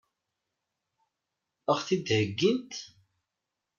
Ad ɣ-t-id-heggint?